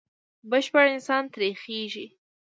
بشپړ انسان ترې خېژي.